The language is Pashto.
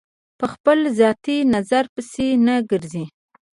په خپل ذاتي نظر پسې نه ګرځي.